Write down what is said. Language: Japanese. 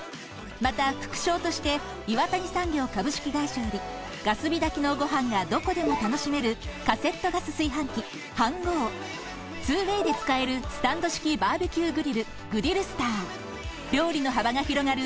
また副賞として「岩谷産業株式会社」よりガス火炊きのご飯がどこでも楽しめるカセットガス炊飯器ＨＡＮ−ｇｏ２ＷＡＹで使えるスタンド式バーベキューグリルグリルスター料理の幅が広がる